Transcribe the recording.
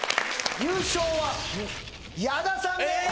優勝は矢田さんです！